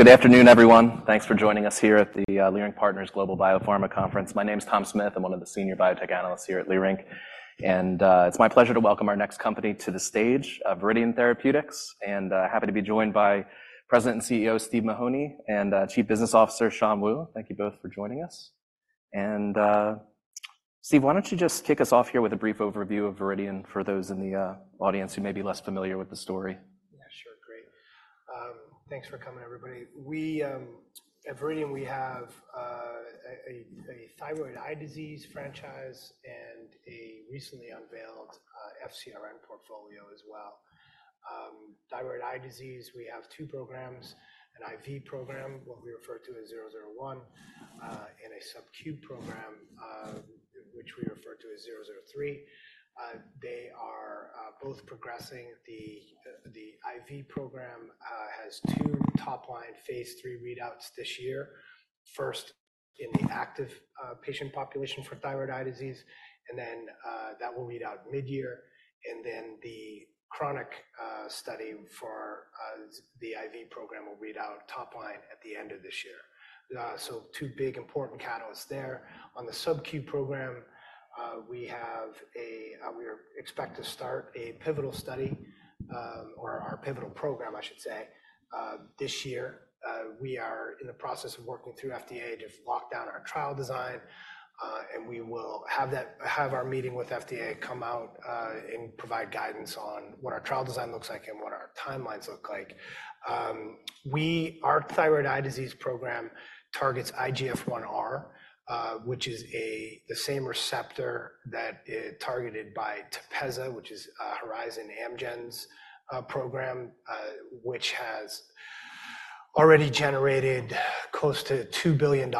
Good afternoon, everyone. Thanks for joining us here at the Leerink Partners Global Biopharma Conference. My name's Tom Smith, I'm one of the senior biotech analysts here at Leerink, and it's my pleasure to welcome our next company to the stage, Viridian Therapeutics, and happy to be joined by President and CEO Steve Mahoney and Chief Business Officer Shan Wu. Thank you both for joining us. And, Steve, why don't you just kick us off here with a brief overview of Viridian for those in the audience who may be less familiar with the story? Yeah, sure, great. Thanks for coming, everybody. We at Viridian have a thyroid eye disease franchise and a recently unveiled FcRn portfolio as well. Thyroid eye disease, we have two programs: an IV program, what we refer to as 001, and a subQ program, which we refer to as 003. They are both progressing. The IV program has two top-line phase III readouts this year, first in the active patient population for thyroid eye disease, and then that will read out mid-year, and then the chronic study for the IV program will read out top-line at the end of this year. So two big important catalysts there. On the subQ program, we have a, we are expect to start a pivotal study, or our pivotal program, I should say, this year. We are in the process of working through FDA to lock down our trial design, and we will have our meeting with FDA come out, and provide guidance on what our trial design looks like and what our timelines look like. Our thyroid eye disease program targets IGF-1R, which is the same receptor targeted by TEPEZZA, which is Horizon Amgen's program, which has already generated close to $2 billion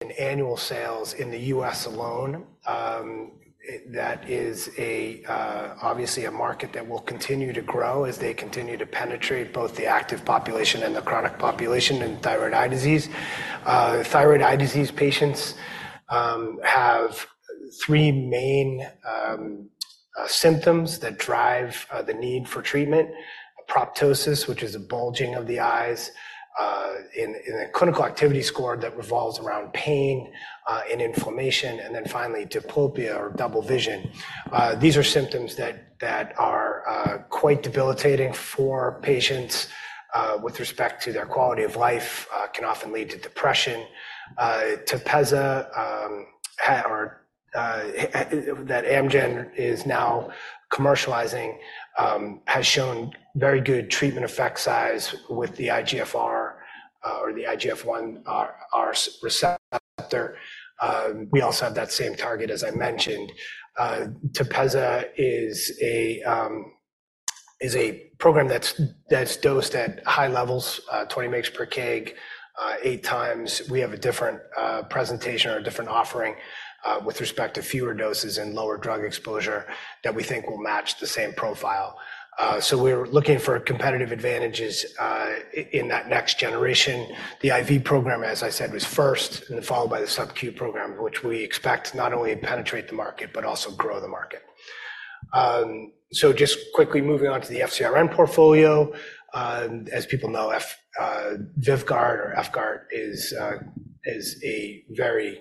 in annual sales in the U.S. alone. That is obviously a market that will continue to grow as they continue to penetrate both the active population and the chronic population in thyroid eye disease. Thyroid eye disease patients have three main symptoms that drive the need for treatment: proptosis, which is a bulging of the eyes, in a clinical activity score that revolves around pain, and inflammation, and then finally diplopia or double vision. These are symptoms that are quite debilitating for patients, with respect to their quality of life, can often lead to depression. TEPEZZA, or that Amgen is now commercializing, has shown very good treatment effect size with the IGF-1R receptor. We also have that same target, as I mentioned. TEPEZZA is a program that's dosed at high levels, 20 mg per kg, 8 times. We have a different presentation or a different offering, with respect to fewer doses and lower drug exposure that we think will match the same profile. So we're looking for competitive advantages, in that next generation. The IV program, as I said, was first and followed by the subQ program, which we expect not only to penetrate the market but also grow the market. So just quickly moving on to the FcRn portfolio, as people know, VYVGART or efgartigimod is a very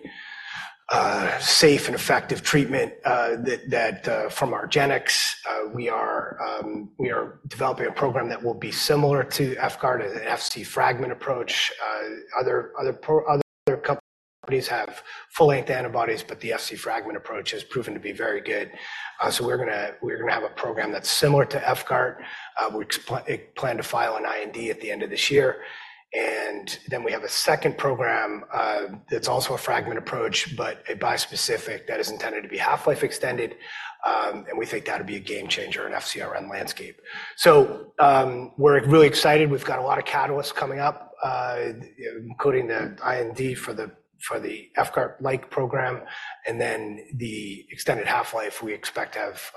safe and effective treatment. That from argenx we are developing a program that will be similar to VYVGART as an Fc fragment approach. Other companies have full-length antibodies, but the Fc fragment approach has proven to be very good. So we're gonna have a program that's similar to VYVGART. We plan to file an IND at the end of this year. And then we have a second program that's also a fragment approach but a bispecific that is intended to be half-life extended, and we think that'll be a game changer in the FcRn landscape. So, we're really excited. We've got a lot of catalysts coming up, including the IND for the VYVGART-like program, and then the extended half-life we expect to have,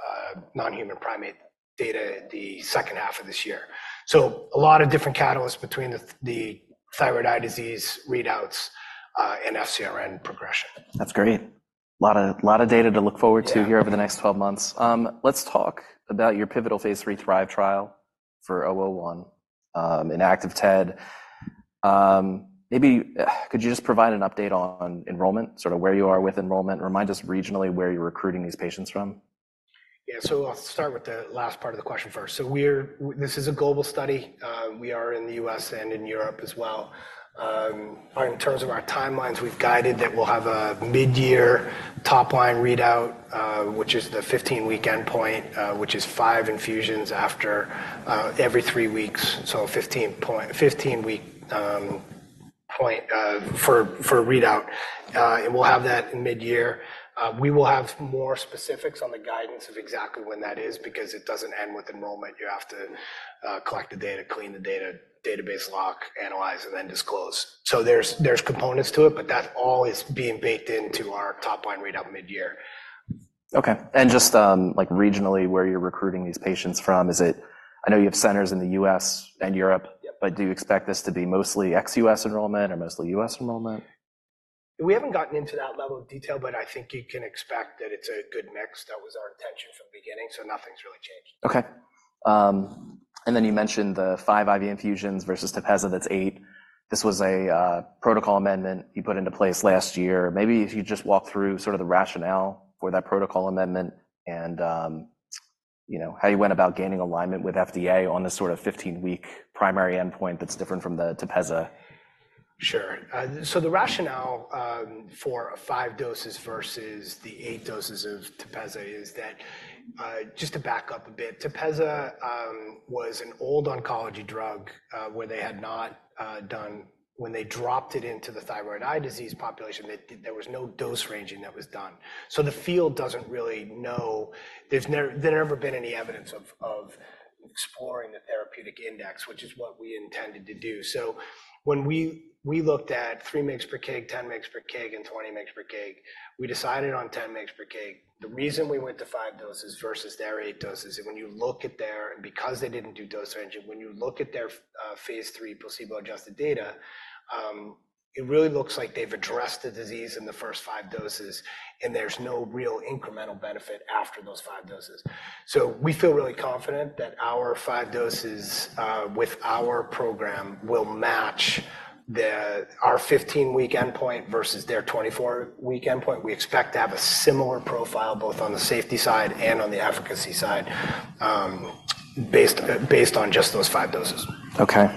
non-human primate data the second half of this year. So a lot of different catalysts between the thyroid eye disease readouts, and FcRn progression. That's great. A lot of a lot of data to look forward to here over the next 12 months. Let's talk about your pivotal phase III THRIVE trial for 001, in active TED. Maybe could you just provide an update on enrollment, sort of where you are with enrollment? Remind us regionally where you're recruiting these patients from. Yeah, so I'll start with the last part of the question first. So this is a global study. We are in the U.S. and in Europe as well. In terms of our timelines, we've guided that we'll have a mid-year top-line readout, which is the 15-week endpoint, which is five infusions after every three weeks. So 15-week readout. We'll have that mid-year. We will have more specifics on the guidance of exactly when that is because it doesn't end with enrollment. You have to collect the data, clean the data, database lock, analyze, and then disclose. So there's components to it, but that all is being baked into our top-line readout mid-year. Okay. Just, like, regionally where you're recruiting these patients from, is it? I know you have centers in the U.S. and Europe, but do you expect this to be mostly ex-U.S. enrollment or mostly U.S. enrollment? We haven't gotten into that level of detail, but I think you can expect that it's a good mix. That was our intention from the beginning, so nothing's really changed. Okay. And then you mentioned the 5 IV infusions versus TEPEZZA that's eight. This was a protocol amendment you put into place last year. Maybe if you just walk through sort of the rationale for that protocol amendment and, you know, how you went about gaining alignment with FDA on this sort of 15-week primary endpoint that's different from the TEPEZZA. Sure. So the rationale for 5 doses versus the 8 doses of TEPEZZA is that, just to back up a bit, TEPEZZA was an old oncology drug, where they had not done when they dropped it into the thyroid eye disease population, there was no dose ranging that was done. So the field doesn't really know; there's never been any evidence of exploring the therapeutic index, which is what we intended to do. So when we looked at 3 mg per kg, 10 mg per kg, and 20 mg per kg, we decided on 10 mg per kg. The reason we went to five doses versus their eight doses is, because they didn't do dose ranging, when you look at their phase III placebo-adjusted data, it really looks like they've addressed the disease in the first five doses, and there's no real incremental benefit after those five doses. So we feel really confident that our five doses with our program will match our 15-week endpoint versus their 24-week endpoint. We expect to have a similar profile both on the safety side and on the efficacy side, based on just those five doses. Okay.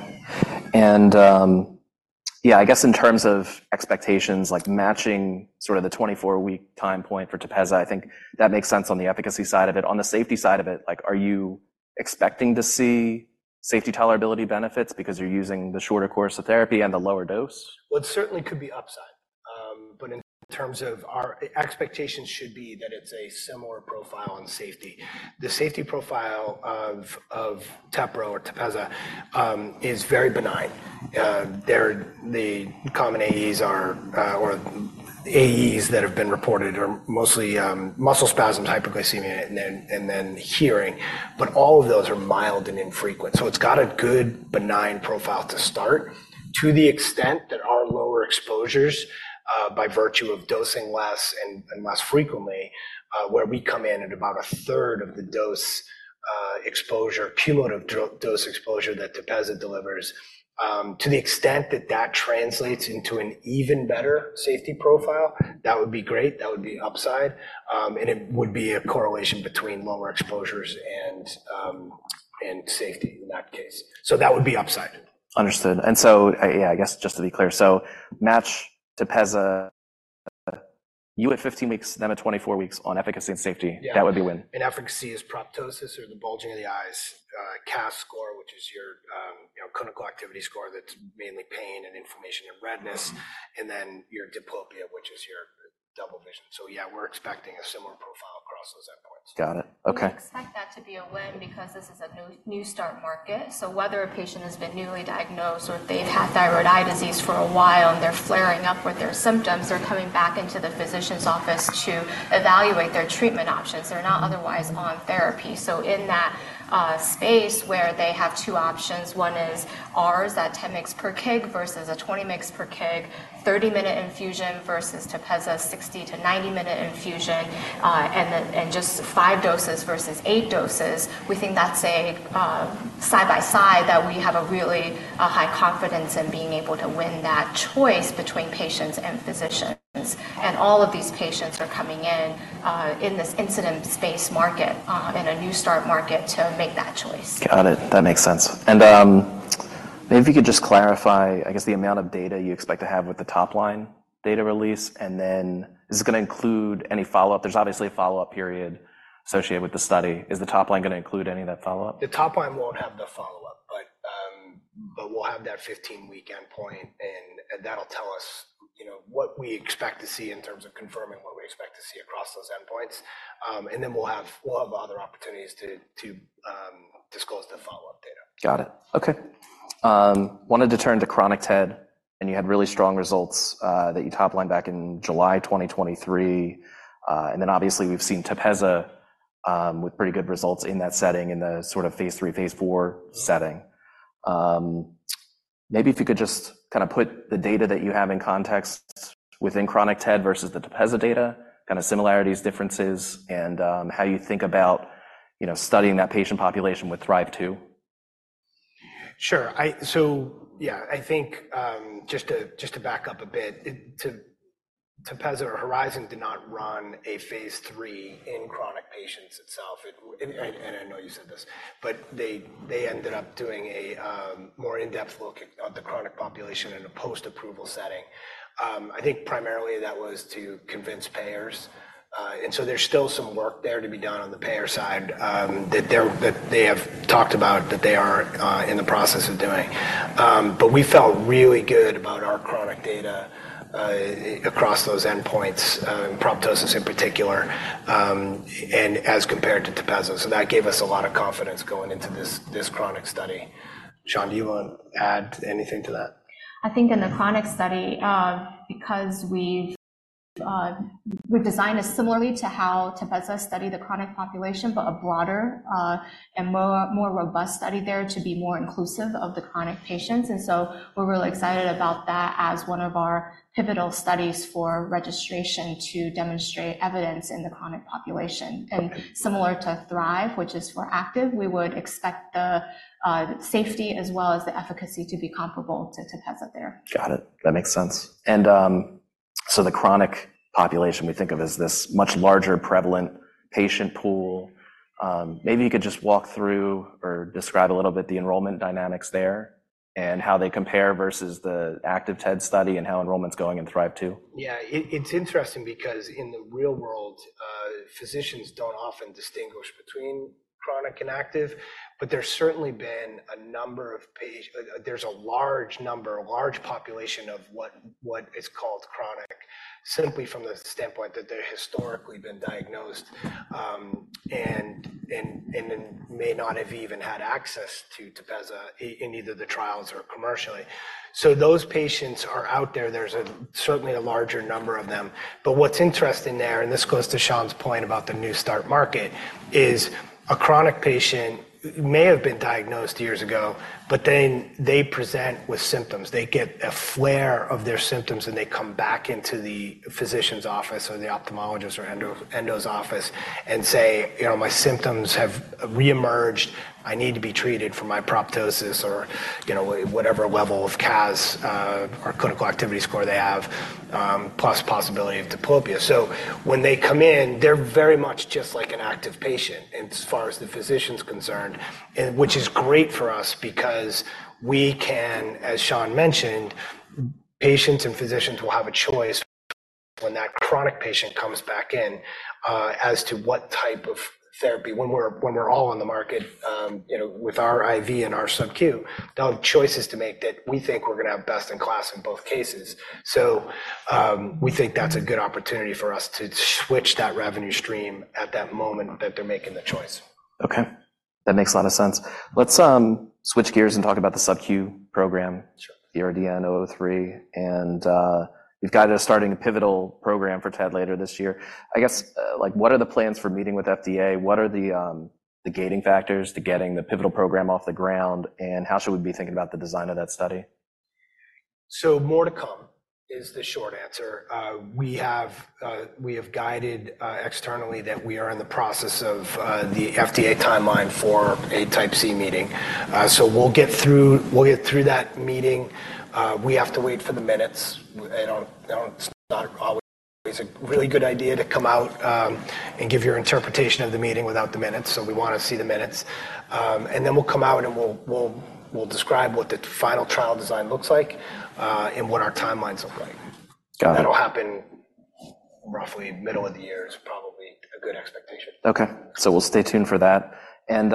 Yeah, I guess in terms of expectations, like matching sort of the 24-week time point for TEPEZZA, I think that makes sense on the efficacy side of it. On the safety side of it, like, are you expecting to see safety tolerability benefits because you're using the shorter course of therapy and the lower dose? Well, it certainly could be upside. But in terms of our expectations should be that it's a similar profile on safety. The safety profile of teprotumumab or TEPEZZA is very benign. The common AEs are, or AEs that have been reported are mostly muscle spasms, hypoglycemia, and then hearing. But all of those are mild and infrequent. So it's got a good benign profile to start, to the extent that our lower exposures, by virtue of dosing less and less frequently, where we come in at about a third of the dose, exposure, cumulative dose exposure that TEPEZZA delivers, to the extent that that translates into an even better safety profile, that would be great. That would be upside. And it would be a correlation between lower exposures and safety in that case. So that would be upside. Understood. And so, yeah, I guess just to be clear, so match TEPEZZA, you at 15 weeks, them at 24 weeks on efficacy and safety, that would be win. Yeah. And efficacy is proptosis or the bulging of the eyes, CAS score, which is your, you know, clinical activity score that's mainly pain and inflammation and redness, and then your diplopia, which is your double vision. So yeah, we're expecting a similar profile across those endpoints. Got it. Okay. We expect that to be a win because this is a new, new start market. So whether a patient has been newly diagnosed or if they've had thyroid eye disease for a while and they're flaring up with their symptoms, they're coming back into the physician's office to evaluate their treatment options. They're not otherwise on therapy. So in that space where they have two options, one is ours, that 10 mg per kg versus a 20 mg per kg, 30-minute infusion versus TEPEZZA 60-90-minute infusion, and just 5 doses versus 8 doses, we think that's a side-by-side that we have a really high confidence in being able to win that choice between patients and physicians. And all of these patients are coming in, in this incipient space market, in a new start market to make that choice. Got it. That makes sense. And, maybe if you could just clarify, I guess, the amount of data you expect to have with the top-line data release, and then is it gonna include any follow-up? There's obviously a follow-up period associated with the study. Is the top-line gonna include any of that follow-up? The top-line won't have the follow-up, but we'll have that 15-week endpoint, and that'll tell us, you know, what we expect to see in terms of confirming what we expect to see across those endpoints. And then we'll have other opportunities to disclose the follow-up data. Got it. Okay. Wanted to turn to Chronic TED, and you had really strong results that you toplined back in July 2023. And then obviously we've seen TEPEZZA with pretty good results in that setting in the sort of phase III, phase IV setting. Maybe if you could just kind of put the data that you have in context within Chronic TED versus the TEPEZZA data, kind of similarities, differences, and how you think about, you know, studying that patient population with THRIVE-2. Sure. I, so yeah, I think, just to back up a bit, TEPEZZA or Horizon did not run a phase III in chronic patients itself. It and, and I know you said this, but they, they ended up doing a more in-depth look at the chronic population in a post-approval setting. I think primarily that was to convince payers, and so there's still some work there to be done on the payer side, that they have talked about that they are in the process of doing. But we felt really good about our chronic data, across those endpoints, proptosis in particular, and as compared to TEPEZZA. So that gave us a lot of confidence going into this chronic study. Shan, do you wanna add anything to that? I think in the chronic study, because we've designed it similarly to how TEPEZZA studied the chronic population, but a broader, and more robust study there to be more inclusive of the chronic patients. And so we're really excited about that as one of our pivotal studies for registration to demonstrate evidence in the chronic population. And similar to THRIVE, which is for active, we would expect the safety as well as the efficacy to be comparable to TEPEZZA there. Got it. That makes sense. So the chronic population we think of as this much larger, prevalent patient pool. Maybe you could just walk through or describe a little bit the enrollment dynamics there and how they compare versus the Active TED study and how enrollment's going in THRIVE-2? Yeah. It's interesting because in the real world, physicians don't often distinguish between chronic and active, but there's certainly been a number of patients. There's a large number, a large population of what is called chronic, simply from the standpoint that they've historically been diagnosed, and then may not have even had access to TEPEZZA in either the trials or commercially. So those patients are out there. There's certainly a larger number of them. But what's interesting there, and this goes to Shan's point about the new start market, is a chronic patient may have been diagnosed years ago, but then they present with symptoms. They get a flare of their symptoms, and they come back into the physician's office or the ophthalmologist or endo's office and say, "You know, my symptoms have reemerged. I need to be treated for my proptosis," or, you know, whatever level of CAS, or clinical activity score they have, plus possibility of diplopia. So when they come in, they're very much just like an active patient as far as the physician's concerned, and which is great for us because we can, as Sean mentioned, patients and physicians will have a choice when that chronic patient comes back in, as to what type of therapy when we're all on the market, you know, with our IV and our sub-Q, they'll have choices to make that we think we're gonna have best in class in both cases. So, we think that's a good opportunity for us to switch that revenue stream at that moment that they're making the choice. Okay. That makes a lot of sense. Let's switch gears and talk about the sub-Q program, the Viridian 003. And we've got starting a pivotal program for TED later this year. I guess, like, what are the plans for meeting with FDA? What are the gating factors to getting the pivotal program off the ground, and how should we be thinking about the design of that study? So more to come is the short answer. We have guided externally that we are in the process of the FDA timeline for a Type C Meeting. So we'll get through that meeting. We have to wait for the minutes. It's not always a really good idea to come out and give your interpretation of the meeting without the minutes. So we wanna see the minutes. And then we'll come out, and we'll describe what the final trial design looks like, and what our timelines look like. Got it. That'll happen roughly middle of the year, is probably a good expectation. Okay. So we'll stay tuned for that. And,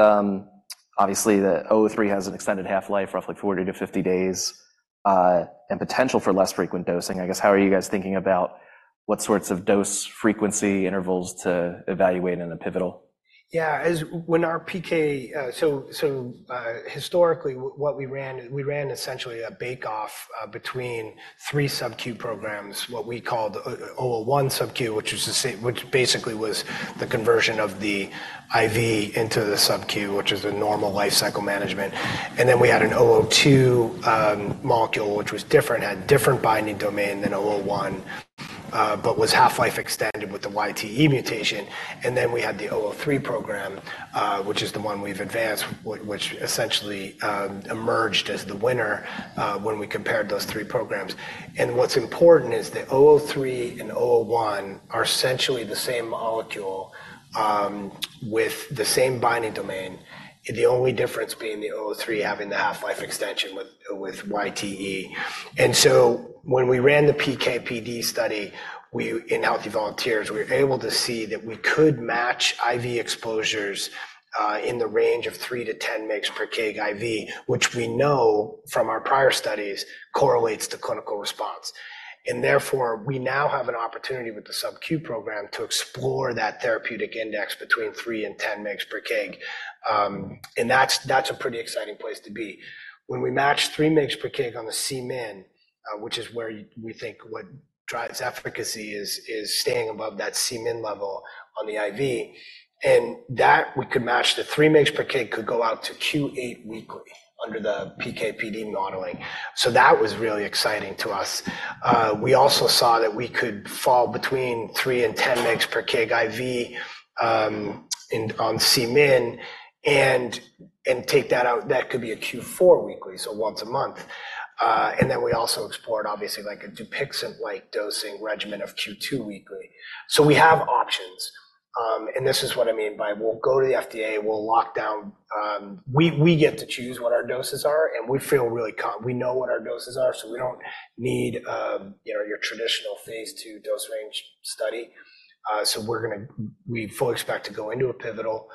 obviously, the 003 has an extended half-life, roughly 40-50 days, and potential for less frequent dosing. I guess, how are you guys thinking about what sorts of dose frequency intervals to evaluate in a pivotal? Yeah. And when our PK, so, historically, what we ran essentially a bake-off between three sub-Q programs, what we called 001 sub-Q, which basically was the conversion of the IV into the sub-Q, which is the normal life cycle management. And then we had an 002 molecule, which was different, had different binding domain than 001, but was half-life extended with the YTE mutation. And then we had the 003 program, which is the one we've advanced, which essentially emerged as the winner, when we compared those three programs. And what's important is that 003 and 001 are essentially the same molecule, with the same binding domain, the only difference being the 003 having the half-life extension with YTE. When we ran the PKPD study in healthy volunteers, we were able to see that we could match IV exposures in the range of 3-10 mg/kg IV, which we know from our prior studies correlates to clinical response. Therefore, we now have an opportunity with the sub-Q program to explore that therapeutic index between 3-10 mg/kg, and that's, that's a pretty exciting place to be. When we match 3 mg/kg on the Cmin, which is where we think what drives efficacy is, is staying above that Cmin level on the IV, and that we could match the 3 mg/kg could go out to Q8 weekly under the PKPD modeling. That was really exciting to us. We also saw that we could fall between 3-10 mg/kg IV in on Cmin and, and take that out that could be a Q4 weekly, so once a month. And then we also explored, obviously, like a Dupixent-like dosing regimen of Q2 weekly. So we have options. And this is what I mean by we'll go to the FDA. We'll lock down, we, we get to choose what our doses are, and we feel really we know what our doses are, so we don't need, you know, your traditional phase II dose range study. So we're gonna we fully expect to go into a pivotal,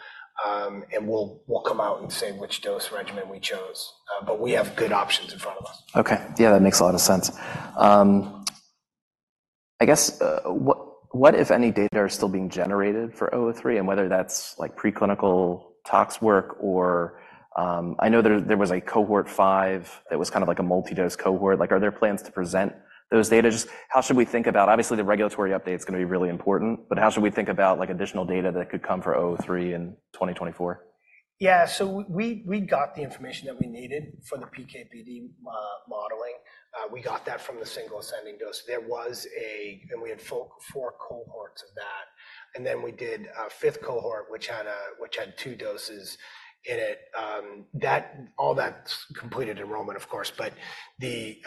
and we'll, we'll come out and say which dose regimen we chose. But we have good options in front of us. Okay. Yeah. That makes a lot of sense. I guess, what, if any, data are still being generated for 003 and whether that's, like, preclinical tox work or, I know there was a cohort five that was kind of like a multidose cohort. Like, are there plans to present those data? Just how should we think about, obviously, the regulatory update's gonna be really important, but how should we think about, like, additional data that could come for 003 in 2024? Yeah. So we got the information that we needed for the PKPD modeling. We got that from the single ascending dose. We had four cohorts of that. And then we did a fifth cohort, which had two doses in it. That all completed enrollment, of course. But the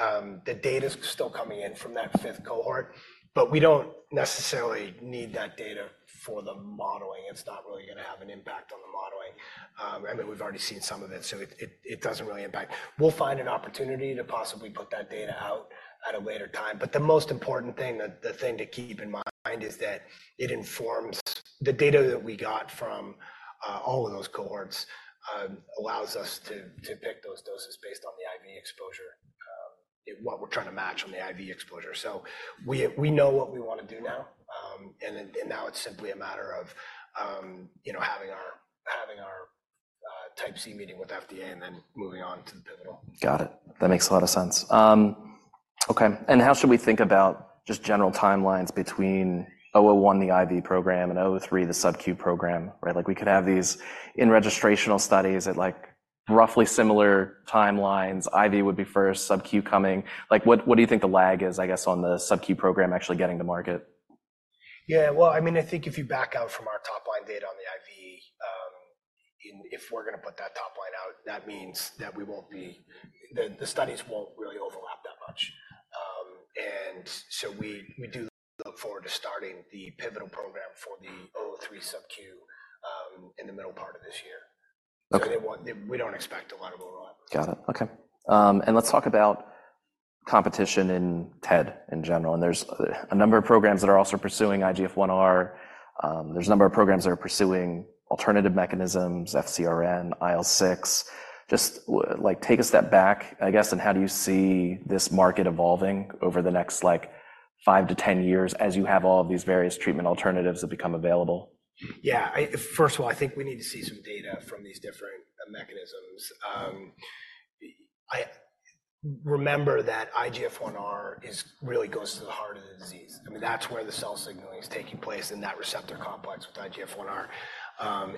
data's still coming in from that fifth cohort. But we don't necessarily need that data for the modeling. It's not really gonna have an impact on the modeling. I mean, we've already seen some of it, so it doesn't really impact. We'll find an opportunity to possibly put that data out at a later time. But the most important thing, the thing to keep in mind is that it informs the data that we got from all of those cohorts, allows us to pick those doses based on the IV exposure, what we're trying to match on the IV exposure. So we know what we wanna do now. And now it's simply a matter of, you know, having our Type C Meeting with FDA and then moving on to the pivotal. Got it. That makes a lot of sense. Okay. How should we think about just general timelines between 001, the IV program, and 003, the sub-Q program, right? Like, we could have these in-registrational studies at, like, roughly similar timelines. IV would be first, sub-Q coming. Like, what, what do you think the lag is, I guess, on the sub-Q program actually getting to market? Yeah. Well, I mean, I think if you back out from our top-line data on the IV, and if we're gonna put that top-line out, that means that we won't be the studies won't really overlap that much. And so we do look forward to starting the pivotal program for the 003 sub-Q, in the middle part of this year. Okay. And it won't. We don't expect a lot of overlap. Got it. Okay. Let's talk about competition in TED in general. There's a number of programs that are also pursuing IGF-1R. There's a number of programs that are pursuing alternative mechanisms, FcRn, IL-6. Just, like, take a step back, I guess, and how do you see this market evolving over the next, like, five to 10 years as you have all of these various treatment alternatives that become available? Yeah. I first of all, I think we need to see some data from these different mechanisms. I remember that IGF-1R is really goes to the heart of the disease. I mean, that's where the cell signaling is taking place in that receptor complex with IGF-1R,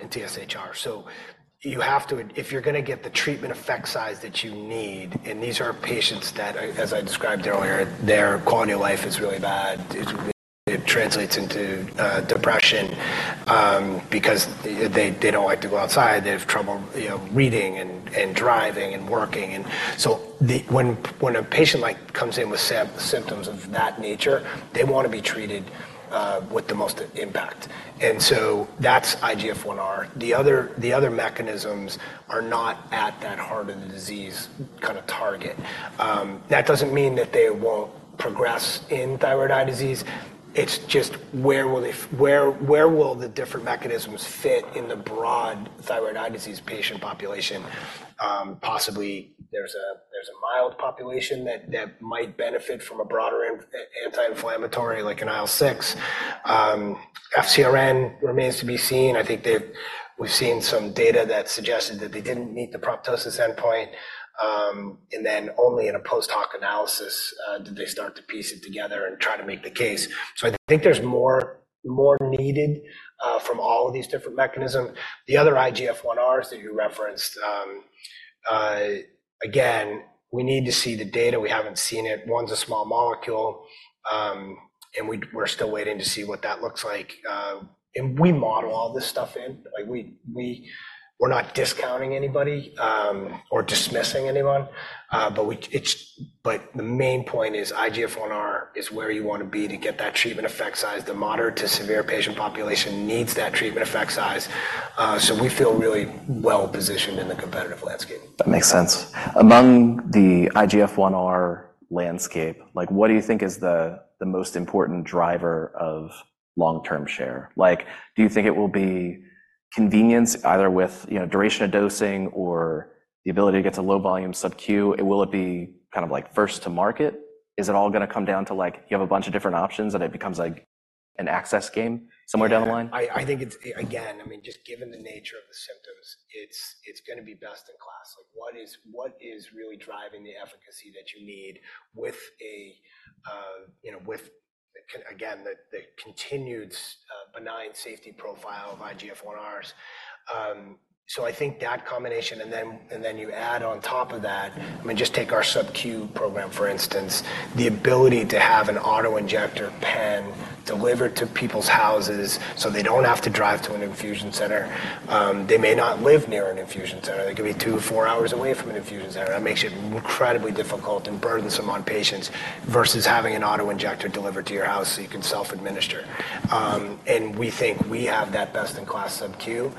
and TSHR. So you have to if you're gonna get the treatment effect size that you need and these are patients that, as I described earlier, their quality of life is really bad. It translates into depression, because they don't like to go outside. They have trouble, you know, reading and driving and working. And so when a patient, like, comes in with symptoms of that nature, they wanna be treated with the most impact. And so that's IGF-1R. The other mechanisms are not at that heart of the disease kind of target. That doesn't mean that they won't progress in thyroid eye disease. It's just where will they, where will the different mechanisms fit in the broad thyroid eye disease patient population? Possibly, there's a mild population that might benefit from a broader anti-inflammatory like an IL-6. FcRn remains to be seen. I think we've seen some data that suggested that they didn't meet the proptosis endpoint. And then only in a post-hoc analysis, did they start to piece it together and try to make the case. So I think there's more needed from all of these different mechanisms. The other IGF-1Rs that you referenced, again, we need to see the data. We haven't seen it. One's a small molecule. And we're still waiting to see what that looks like. And we model all this stuff in. Like, we're not discounting anybody, or dismissing anyone. But the main point is IGF-1R is where you wanna be to get that treatment effect size. The moderate to severe patient population needs that treatment effect size. So we feel really well-positioned in the competitive landscape. That makes sense. Among the IGF-1R landscape, like, what do you think is the most important driver of long-term share? Like, do you think it will be convenience, either with, you know, duration of dosing or the ability to get to low-volume sub-Q? Will it be kind of like first to market? Is it all gonna come down to, like, you have a bunch of different options, and it becomes, like, an access game somewhere down the line? I think it's again, I mean, just given the nature of the symptoms, it's gonna be best in class. Like, what is really driving the efficacy that you need with, you know, with again the continued benign safety profile of IGF-1Rs? So I think that combination and then you add on top of that I mean, just take our sub-Q program, for instance, the ability to have an autoinjector pen delivered to people's houses so they don't have to drive to an infusion center. They may not live near an infusion center. They could be 2 or 4 hours away from an infusion center. That makes it incredibly difficult and burdensome on patients versus having an autoinjector delivered to your house so you can self-administer. And we think we have that best-in-class sub-Q.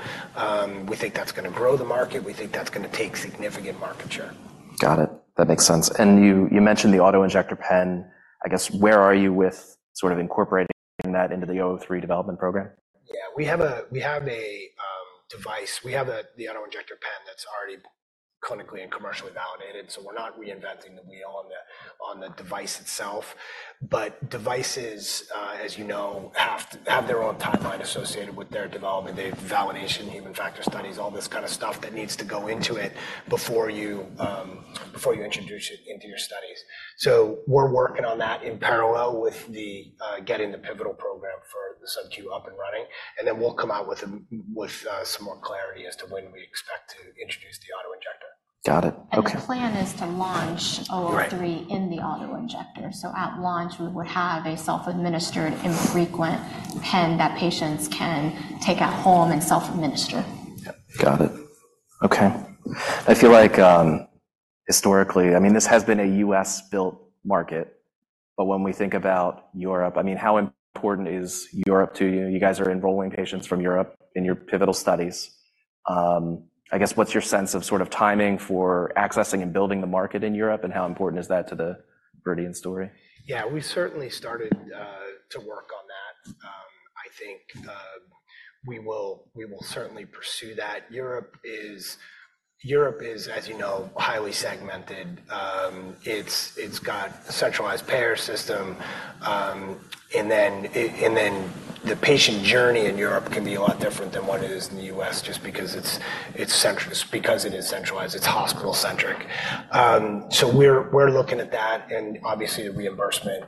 We think that's gonna grow the market. We think that's gonna take significant market share. Got it. That makes sense. And you mentioned the autoinjector pen. I guess, where are you with sort of incorporating that into the 003 development program? Yeah. We have a device. We have the autoinjector pen that's already clinically and commercially validated. So we're not reinventing the wheel on the device itself. But devices, as you know, have to have their own timeline associated with their development. They have validation, human factor studies, all this kind of stuff that needs to go into it before you introduce it into your studies. So we're working on that in parallel with getting the pivotal program for the sub-Q up and running. And then we'll come out with some more clarity as to when we expect to introduce the autoinjector. Got it. Okay. The plan is to launch 003 in the autoinjector. At launch, we would have a self-administered infrequent pen that patients can take at home and self-administer. Got it. Okay. I feel like, historically, I mean, this has been a U.S.-built market. But when we think about Europe, I mean, how important is Europe to you? You guys are enrolling patients from Europe in your pivotal studies. I guess, what's your sense of sort of timing for accessing and building the market in Europe, and how important is that to the Viridian story? Yeah. We certainly started to work on that. I think, we will certainly pursue that. Europe is, as you know, highly segmented. It's got a centralized payer system. And then the patient journey in Europe can be a lot different than what it is in the US just because it's central because it is centralized. It's hospital-centric. So we're looking at that. And obviously, the reimbursement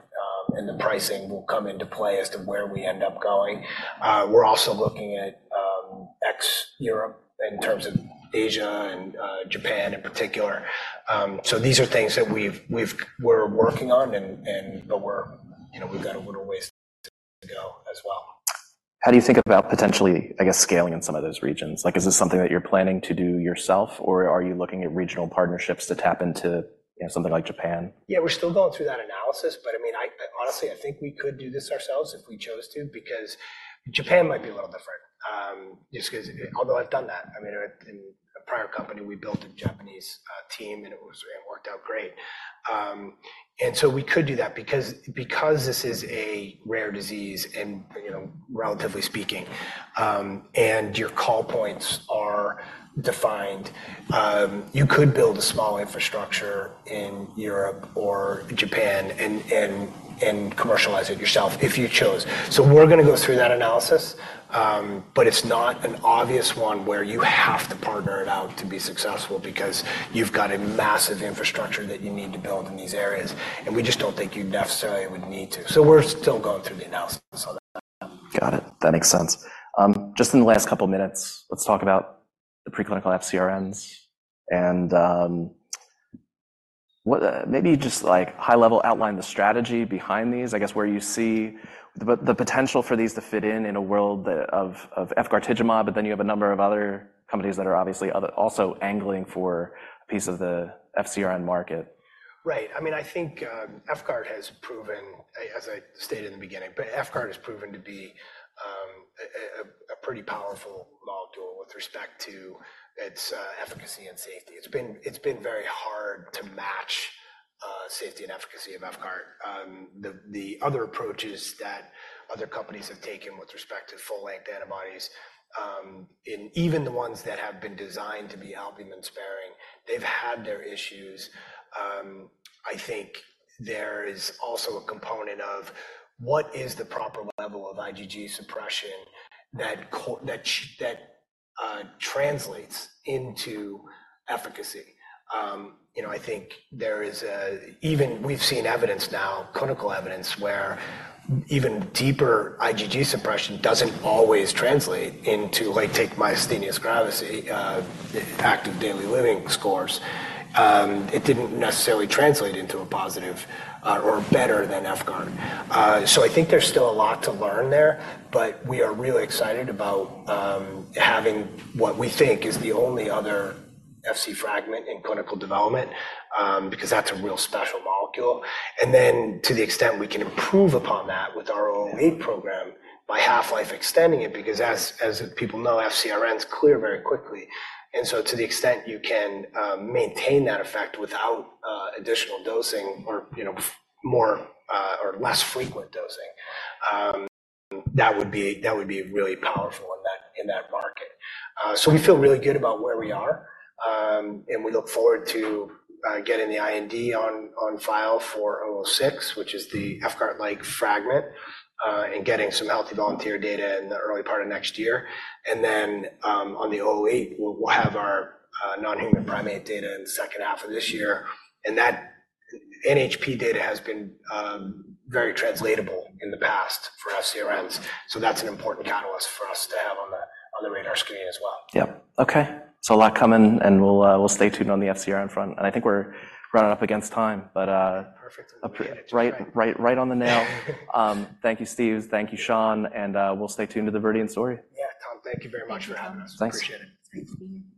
and the pricing will come into play as to where we end up going. We're also looking at ex-Europe in terms of Asia and Japan in particular. So these are things that we've been working on and but we're, you know, we've got a little ways to go as well. How do you think about potentially, I guess, scaling in some of those regions? Like, is this something that you're planning to do yourself, or are you looking at regional partnerships to tap into, you know, something like Japan? Yeah. We're still going through that analysis. But I mean, I, I honestly, I think we could do this ourselves if we chose to because Japan might be a little different. Just 'cause although I've done that I mean, in a prior company, we built a Japanese team, and it was and worked out great. And so we could do that because, because this is a rare disease and, you know, relatively speaking, and your call points are defined. You could build a small infrastructure in Europe or Japan and commercialize it yourself if you chose. So we're gonna go through that analysis. It's not an obvious one where you have to partner it out to be successful because you've got a massive infrastructure that you need to build in these areas. And we just don't think you necessarily would need to. We're still going through the analysis on that. Got it. That makes sense. Just in the last couple minutes, let's talk about the preclinical FcRns and what maybe just like high-level outline the strategy behind these, I guess, where you see the potential for these to fit in in a world of VYVGART. But then you have a number of other companies that are obviously also angling for a piece of the FcRn market. Right. I mean, I think, efgart has proven as I stated in the beginning, but efgart has proven to be a pretty powerful molecule with respect to its efficacy and safety. It's been very hard to match safety and efficacy of efgart. The other approaches that other companies have taken with respect to full-length antibodies, and even the ones that have been designed to be albumin-sparing, they've had their issues. I think there is also a component of what is the proper level of IgG suppression that translates into efficacy. You know, I think there is even we've seen evidence now, clinical evidence, where even deeper IgG suppression doesn't always translate into, like, take myasthenia gravis, active daily living scores. It didn't necessarily translate into a positive, or better than efgart. So I think there's still a lot to learn there. But we are really excited about having what we think is the only other Fc fragment in clinical development, because that's a real special molecule. And then to the extent we can improve upon that with our 008 program by half-life extending it because, as people know, FcRns clear very quickly. And so to the extent you can maintain that effect without additional dosing or, you know, more or less frequent dosing, that would be really powerful in that market. So we feel really good about where we are. And we look forward to getting the IND on file for 006, which is the FcRn-like fragment, and getting some healthy volunteer data in the early part of next year. And then, on the 008, we'll have our non-human primate data in the second half of this year. That NHP data has been very translatable in the past for FcRns. So that's an important catalyst for us to have on the radar screen as well. Yep. Okay. It's a lot coming. And we'll, we'll stay tuned on the FcRn front. And I think we're running up against time. But, Perfect. Appreciate it. Right, right, right on the nail. Thank you, Steve. Thank you, Shan. We'll stay tuned to the Viridian story. Yeah. Tom, thank you very much for having us. Thanks. Appreciate it. Thank you.